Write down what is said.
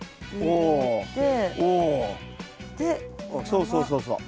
そうそうそうそう。